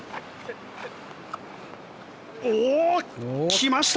来ました！